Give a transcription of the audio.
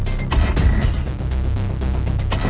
ตอนนี้ก็ไม่มีอัศวินทรีย์